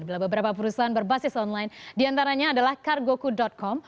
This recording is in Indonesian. dalam beberapa perusahaan berbasis online diantaranya adalah cargoku com